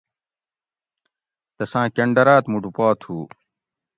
تساۤں کھنڈرات موٹو پا تھو